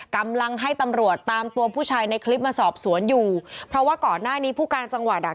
กำลังให้ตำรวจตามตัวผู้ชายในคลิปมาสอบสวนอยู่เพราะว่าก่อนหน้านี้ผู้การจังหวัดอ่ะ